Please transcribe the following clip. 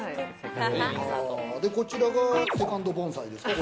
こちらがセカンド盆栽ですか？